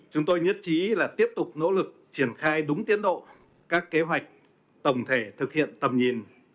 chúng tôi nhất trí là tiếp tục nỗ lực triển khai đúng tiến độ các kế hoạch tổng thể thực hiện tầm nhìn